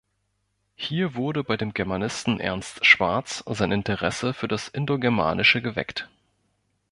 Hier wurde bei dem Germanisten Ernst Schwarz sein Interesse für das Indogermanische geweckt.